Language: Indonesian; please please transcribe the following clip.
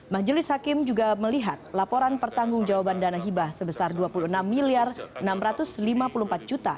majelis hakim juga melihat laporan pertanggung jawaban dana hibah sebesar rp dua puluh enam enam ratus lima puluh empat